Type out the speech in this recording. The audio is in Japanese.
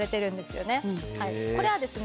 これはですね